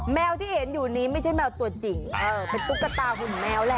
แมวที่เห็นอยู่นี้ไม่ใช่แมวตัวจริงเป็นตุ๊กตาหุ่นแมวแหละ